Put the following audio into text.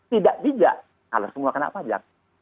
tidak bijak kalau semua kena pajak